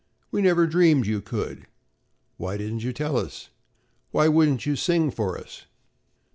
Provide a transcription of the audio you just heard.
"We never dreamed you could." "Why didn't you tell us?" "Why wouldn't you sing for us?"